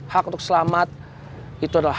hak untuk selamat itu adalah